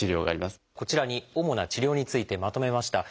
こちらに主な治療についてまとめました。